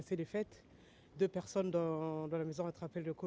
saya harus mengadakan makan malam bersama keluarga